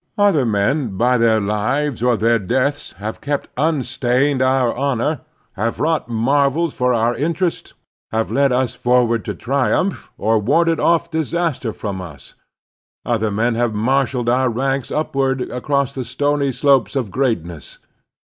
Other men by their lives or their deaths have kept imstained our honor, have wrought marvels for our interest, have led us forward to triumph, or warded off disaster from us ; other men have marshaled our ranks upward across the stony slopes of greatness.